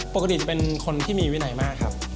ปกติเป็นคนที่มีวินัยมากครับ